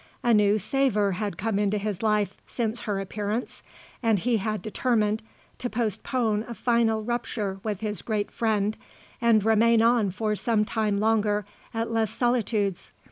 A new savour had come into his life since her appearance and he had determined to postpone a final rupture with his great friend and remain on for some time longer at Les Solitudes.